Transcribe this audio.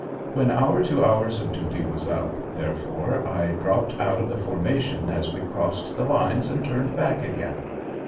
When our two hours' duty was up, therefore, I dropped out of the formation as we crossed the lines and turned back again.